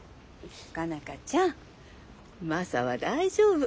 佳奈花ちゃんマサは大丈夫。